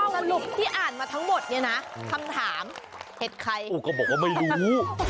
สรุปที่อ่านมาทั้งหมดเนี่ยนะคำถามเห็ดใครก็บอกว่าไม่รู้